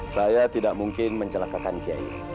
saya tidak mungkin mencelakakan kiai